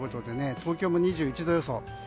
東京も２１度予想。